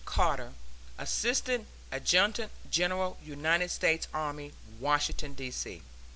CARTER, Assistant Adjutant General United States Army, Washington, D. C.